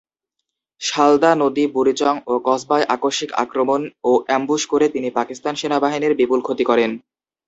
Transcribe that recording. সালদা নদী, বুড়িচং ও কসবায় আকস্মিক আক্রমণ ও অ্যামবুশ করে তিনি পাকিস্তান সেনাবাহিনীর বিপুল ক্ষতি করেন।